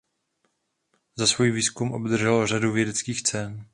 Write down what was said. Za svůj výzkum obdržel řadu vědeckých cen.